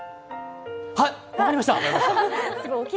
はい、分かりました！